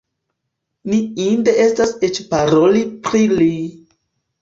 Ne inde estas eĉ paroli pri li!